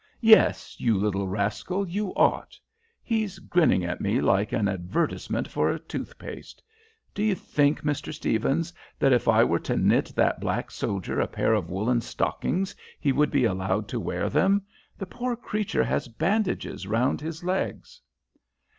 Yes, you little rascal, you ought! He's grinning at me like an advertisement for a tooth paste. Do you think, Mr. Stephens, that if I were to knit that black soldier a pair of woollen stockings he would be allowed to wear them? The poor creature has bandages round his legs."